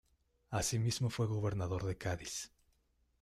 Asimismo fue gobernador de Cádiz.